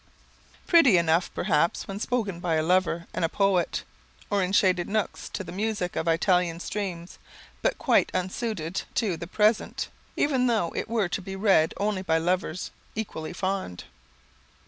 Pretty enough, perhaps, when spoken by a lover and a poet, or in shaded nooks, to the music of Italian streams, but quite unsuited to the present, even though it were to be read only by lovers equally fond.